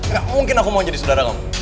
gak mungkin aku mau jadi saudara kamu